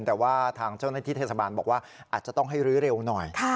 แต่ว่าทางเจ้าหน้าที่เทศบาลบอกว่าอาจจะต้องให้รื้อเร็วหน่อย